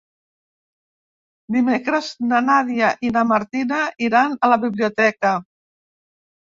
Dimecres na Nàdia i na Martina iran a la biblioteca.